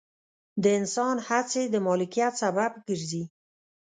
د انسان هڅې د مالکیت سبب ګرځي.